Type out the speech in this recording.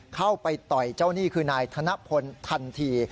เข้าไปต่อยเจ้าหนี้คือนายธนพลทันที